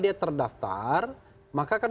dia terdaftar maka kan